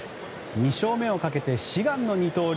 ２勝目をかけて志願の二刀流。